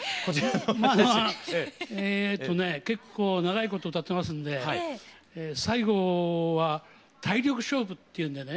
えっとね結構長いこと歌ってますんで最後は体力勝負っていうんでね。